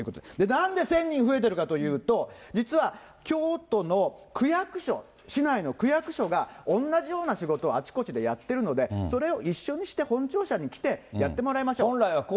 なんで１０００人増えてるかというと、実は京都の区役所、市内の区役所がおんなじような仕事をあちこちでやってるので、それを一緒にして本庁舎に来て、やってもらいましょう。